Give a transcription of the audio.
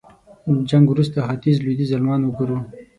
جنګ وروسته ختيځ لوېديځ المان وګورو.